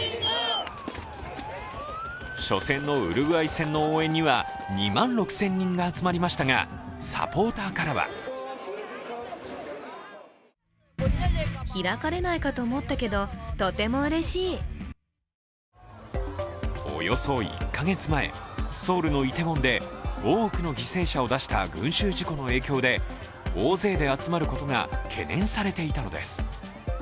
初戦のウルグアイ戦の応援には２万６０００人が集まりましたが、サポーターからはおよそ１か月前、ソウルのイテウォンで多くの犠牲者を出した群集事故の影響で大勢で集まることが懸念されていたのです。